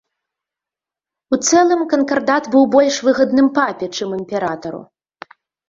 У цэлым, канкардат быў больш выгадным папе, чым імператару.